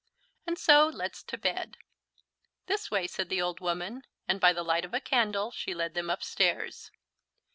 "And so let's to bed." "This way," said the old woman, and by the light of a candle she led them upstairs.